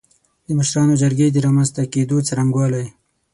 د مشرانو جرګې د رامنځ ته کېدو څرنګوالی